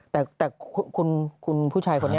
แต่คุณผู้ชายคนนี้